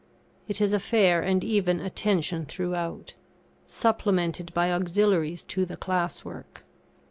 It is a fair and even attention throughout, supplemented by auxiliaries to the class work.